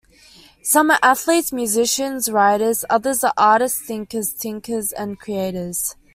Some are athletes, musicians, writers; others are artists, thinkers, tinkerers and creators.